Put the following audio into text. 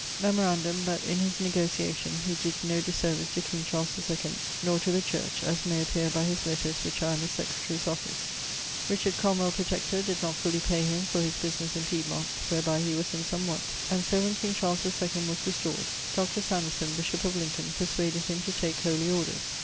Memorandum that in his negociation he did no disservice to King Charles IIᵈ, nor to the church, as may appeare by his letters which are in the Secretarie's Office. Richard Cromwell, Protector, did not fully pay him for his business in Piedmont, wherby he was in some want; and so when King Charles II was restored, Dr. Sanderson, bishop of Lincoln, perswaded him to take Holy Orders.